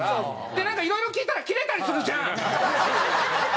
でなんかいろいろ聞いたらキレたりするじゃん！